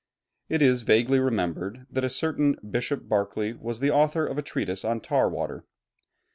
It is vaguely remembered that a certain Bishop Berkeley was the author of a treatise on tar water.